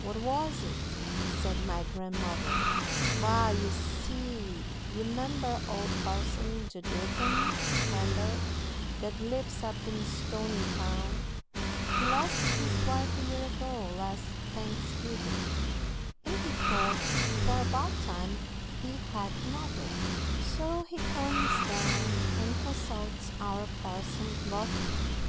"What was it?" said my grandmother. "Wal, ye see, you 'member old Parson Jeduthun Kendall that lives up in Stonytown; he lost his wife a year ago last Thanksgivin', and he thought 'twar about time he hed another; so he comes down and consults our Parson Lothrop.